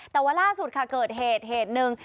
แต่ว่าล่าสุดเกิดเหตุหนึ่ง